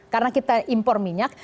karena kita impor minyak